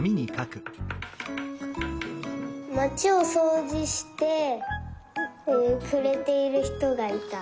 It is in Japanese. まちをそうじしてくれているひとがいた。